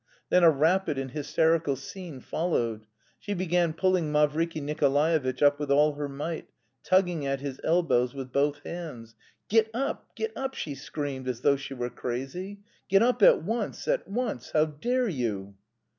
Then a rapid and hysterical scene followed. She began pulling Mavriky Nikolaevitch up with all her might, tugging at his elbows with both hands. "Get up! Get up!" she screamed, as though she were crazy. "Get up at once, at once. How dare you?"